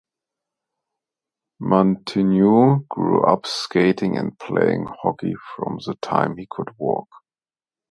Mantenuto grew up skating and playing hockey from the time he could walk.